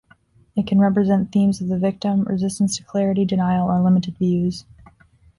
It can represent themes of the victim, resistance to clarity, denial, or limited views.